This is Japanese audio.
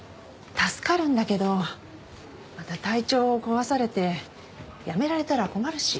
助かるんだけどまた体調を壊されて辞められたら困るし。